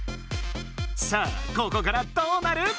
さあここからどうなる？